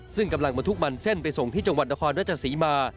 ซึ่งกำลังมาทุกมันเส้นไปส่งที่จังหวัดนครราชศรีมา